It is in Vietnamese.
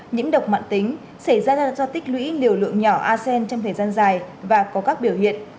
nhiễm độc mạng tính xảy ra do tích lũy liều lượng nhỏ asean trong thời gian dài và có các biểu hiện